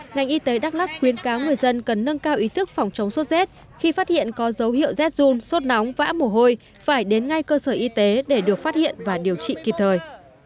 ngành y tế đắk lắc khuyến cáo người dân cần nâng cao ý thức phòng chống sốt z khi phát hiện có dấu hiệu zun sốt nóng vã mổ hôi phải đến ngay cơ sở y tế để được phát hiện và điều trị kịp thời